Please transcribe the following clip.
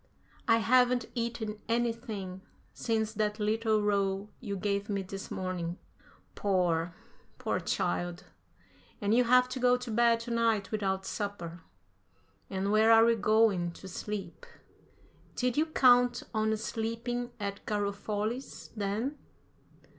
"I haven't eaten anything since that little roll you gave me this morning." "Poor, poor child, and you'll have to go to bed to night without supper. And where are we going to sleep?" "Did you count on sleeping at Garofoli's, then?"